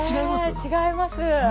違います。